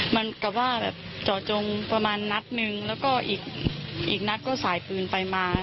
มันกับว่าแบบเจาะจงประมาณนัดหนึ่งแล้วก็อีกนัดก็สายปืนไปมา